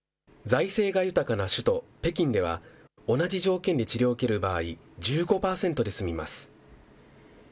財政が豊かな首都北京では、同じ条件で治療を受ける場合、１５％で済みます。